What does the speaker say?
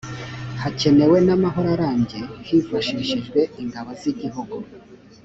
hakenewe n’amahoro arambye hifashishijwe ingabo z’igihugu